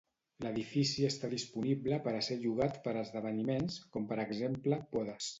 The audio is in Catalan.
L'edifici està disponible per a ser llogat per a esdeveniments, com per exemple bodes.